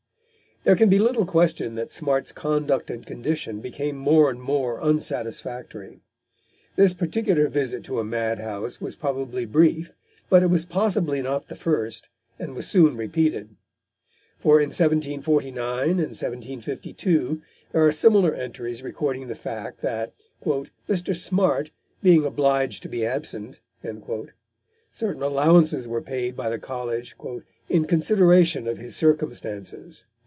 There can be little question that Smart's conduct and condition became more and more unsatisfactory. This particular visit to a madhouse was probably brief, but it was possibly not the first and was soon repeated; for in 1749 and 1752 there are similar entries recording the fact that "Mr. Smart, being obliged to be absent," certain allowances were paid by the college "in consideration of his circumstances."